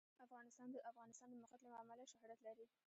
افغانستان د د افغانستان د موقعیت له امله شهرت لري.